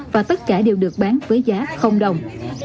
và tất cả đều được bán với giá đồng